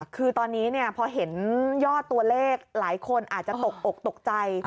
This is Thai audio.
คือตอนนี้พอเห็นยอดตัวเลขหลายคนอาจจะตกอกตกใจ